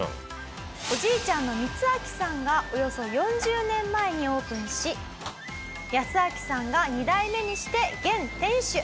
おじいちゃんのミツアキさんがおよそ４０年前にオープンしヤスアキさんが２代目にして現店主。